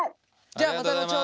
じゃあまた後ほど。